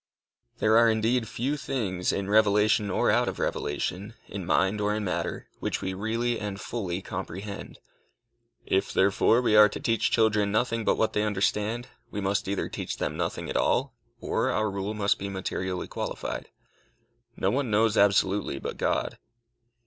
There are indeed few things, in revelation or out of revelation, in mind or in matter, which we really and fully comprehend. If, therefore, we are to teach children nothing but what they understand, we must either teach them nothing at all, or our rule must be materially qualified. No one knows absolutely but God.